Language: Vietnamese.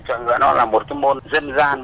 chọi ngựa nó là một cái môn dân gian